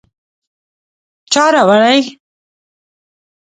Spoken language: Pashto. _چا راوړې ؟